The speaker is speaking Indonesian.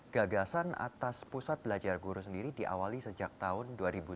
gagasan atas pusat belajar guru sendiri diawali sejak tahun dua ribu dua belas